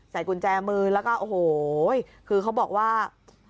กุญแจมือแล้วก็โอ้โหคือเขาบอกว่า